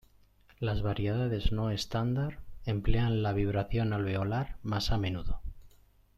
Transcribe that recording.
Las variedades no estándar emplean la vibración alveolar más a menudo.